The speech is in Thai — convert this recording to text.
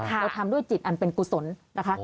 เราทำด้วยจิตอันเป็นกุศลนะคะ